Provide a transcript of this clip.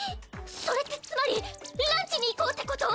それってつまりランチに行こうってこと？